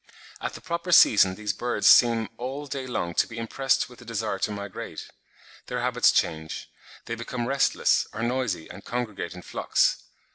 At the proper season these birds seem all day long to be impressed with the desire to migrate; their habits change; they become restless, are noisy and congregate in flocks.